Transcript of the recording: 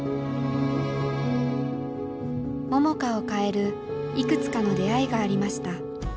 桃佳を変えるいくつかの出会いがありました。